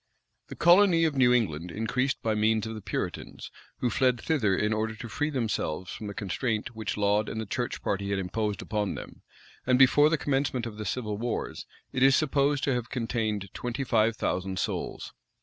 [] The colony of New England increased by means of the Puritans, who fled thither in order to free themselves from the constraint which Laud and the church party had imposed upon them; and, before the commencement of the civil wars, it is supposed to have contained twenty five thousand souls.